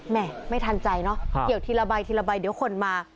ไม่ทันใจเนอะเกี่ยวทีละใบทีละใบเดี๋ยวคนมา